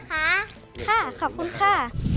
ค่ะค่ะขอบคุณค่ะ